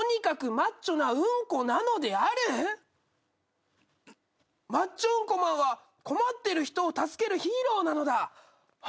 「マッチョウンコマンは困ってる人を助けるヒーローなのだ」